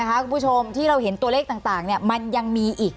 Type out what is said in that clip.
คุณผู้ชมที่เราเห็นตัวเลขต่างมันยังมีอีก